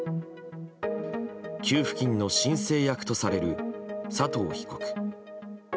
給付金の申請役とされる佐藤被告。